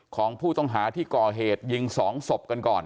ของผู้ต้องหาที่ก่อเหตุยิง๒ศพกันก่อน